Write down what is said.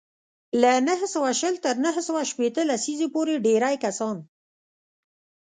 له نهه سوه شل تر نهه سوه شپېته لسیزې پورې ډېری کسان